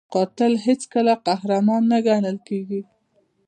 قاتل هیڅکله قهرمان نه ګڼل کېږي